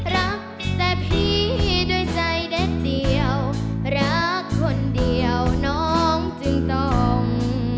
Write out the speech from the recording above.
รักแต่พี่ด้วยใจแดดเดียวรักคนเดียวน้องจึงต้อง